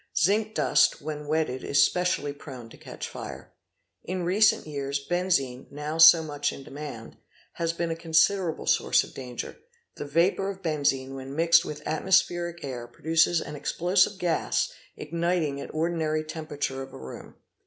Zinc dust when wetted is specially prone to catch fire. In recent years benzine, now so much in demand, has been a considerable source of danger. The vapour of benzine when mixed with atmospheric air produces an explosive gas igniting at the ordinary temperature of a room.